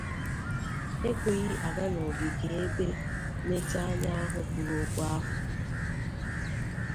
ha ekweghị aga n’ogige ebe Netanyahu kwuru okwu ahụ